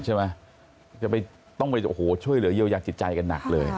ใช่ไหมจะต้องไปโอ้โหช่วยเหลือเยียวยาจิตใจกันหนักเลย